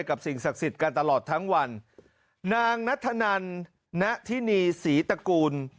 สิ่งศักดิ์สิทธิ์กันตลอดทั้งวันนางนัทธนันณทินีศรีตระกูล